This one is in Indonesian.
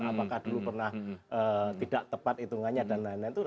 apakah dulu pernah tidak tepat hitungannya dan lain lain